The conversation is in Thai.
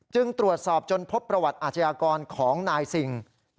ตรวจสอบจนพบประวัติอาชญากรของนายซิง